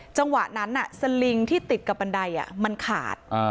จังหวะนั้นสลิงที่ติดกับบันไดมันขาด